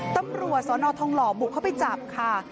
ตำรวจสนทองหล่อบุกเข้าไปจับค่ะ